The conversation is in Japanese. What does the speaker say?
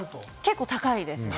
結構、高いですね。